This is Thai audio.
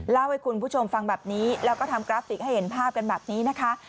เล่าให้คุณผู้ชมฟังแบบนี้แล้วก็ทำกราฟิกให้เห็นภาพกันแบบนี้นะคะ